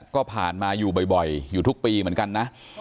ก็ผ่านมาอยู่บ่อยอยู่ทุกปีเหมือนกันนะ